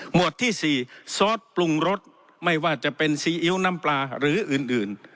วดที่๔ซอสปรุงรสไม่ว่าจะเป็นซีอิ๊วน้ำปลาหรืออื่น